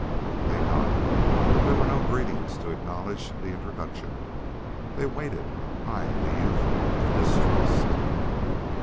They nodded. There were no greetings to acknowledge the introduction. They waited, eyeing the youth with distrust.